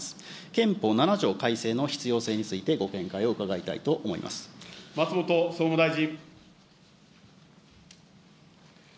憲法７条改正の必要性についてご松本総務大臣。